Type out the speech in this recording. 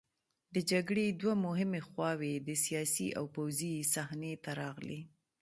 د جګړې دوه مهمې خواوې د سیاسي او پوځي صحنې ته راغلې.